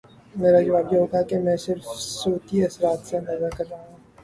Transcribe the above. میرا جواب یہ ہو گا کہ میں صرف صوتی اثرات سے اندازہ کر رہا ہوں۔